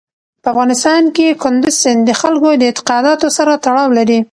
په افغانستان کې کندز سیند د خلکو د اعتقاداتو سره تړاو لري.